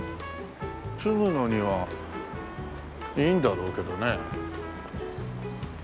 住むのにはいいんだろうけどね。